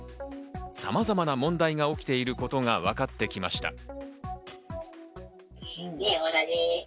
さまざまな問題が起きていることがわかってきました。